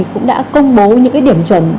cũng đã công bố những điểm chuẩn